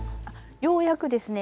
ようやくですね